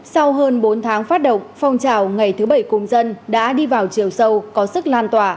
sau hơn bốn tháng phát động phong trào ngày thứ bảy cùng dân đã đi vào chiều sâu có sức lan tỏa